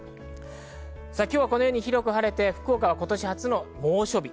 今日はこのように広く晴れて、福岡は今年初の猛暑日。